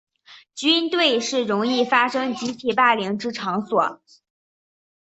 军队是容易发生集体霸凌之场所。